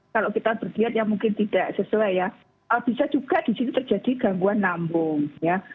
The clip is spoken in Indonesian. kalau kita berdiat yang mungkin tidak sesuai ya bisa juga disitu terjadi gangguan nambung ya